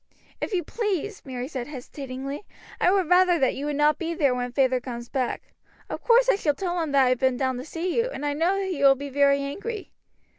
"If you please," Mary said hesitatingly, "I would rather that you would not be there when feyther comes back. Of course I shall tell him that I have been down to see you, and I know he will be very angry."